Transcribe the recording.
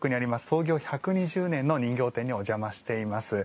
創業１２０年の人形店にお邪魔しています。